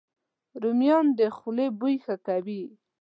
رومیان د خولې بوی ښه کوي